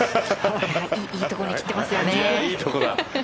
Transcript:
いいところに切ってますよね。